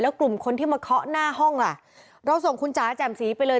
กลุ่มคนที่มาเคาะหน้าห้องล่ะเราส่งคุณจ๋าแจ่มสีไปเลย